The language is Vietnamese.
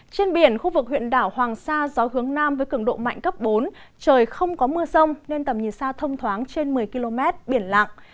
trên biển khu vực huyện đảo hoàng sa gió hướng nam với cường độ mạnh cấp bốn trời không có mưa rông nên tầm nhìn xa thông thoáng trên một mươi km biển lặng